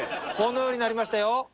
このようになりましたよ。